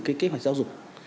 cái kế hoạch giáo dục